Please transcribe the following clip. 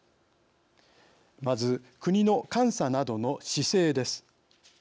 まず、国の監査などの姿勢です。